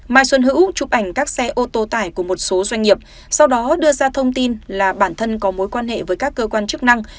mai xuân hữu chụp ảnh các xe ô tô tải của một số doanh nghiệp sau đó đưa ra thông tin là bản thân có mối quan hệ với các cơ quan chức năng